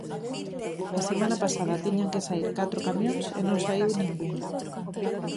A semana pasada tiñan que saír catro camións e non saíu ningún.